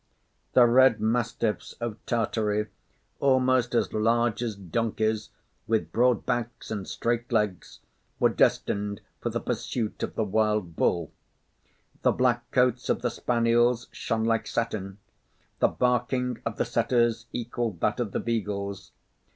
The red mastiffs of Tartary, almost as large as donkeys, with broad backs and straight legs, were destined for the pursuit of the wild bull. The black coats of the spaniels shone like satin; the barking of the setters equalled that of the beagles.